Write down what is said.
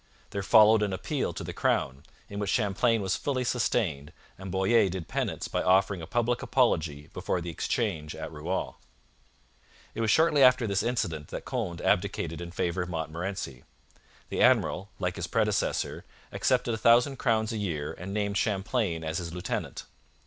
There followed an appeal to the crown, in which Champlain was fully sustained, and Boyer did penance by offering a public apology before the Exchange at Rouen. It was shortly after this incident that Conde abdicated in favour of Montmorency. The admiral, like his predecessor, accepted a thousand crowns a year and named Champlain as his lieutenant.